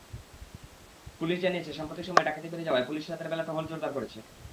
Police জানিয়েছে, সাম্প্রতিক সময়ে ডাকাতি বেড়ে যাওয়ায় পুলিশ রাতের বেলা টহল জোরদার করেছে।